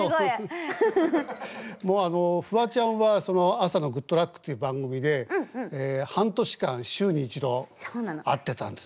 もうあのフワちゃんは朝の「グッとラック！」っていう番組で半年間週に一度会ってたんです。